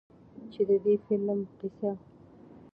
چې د دې فلم قيصه